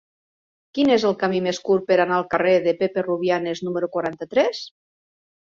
Quin és el camí més curt per anar al carrer de Pepe Rubianes número quaranta-tres?